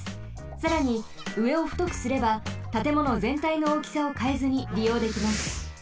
さらにうえをふとくすればたてものぜんたいの大きさをかえずにりようできます。